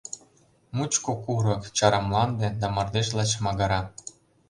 Мучко курык, чара мланде, Да мардеж лач магыра.